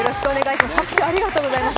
拍手をありがとうございます。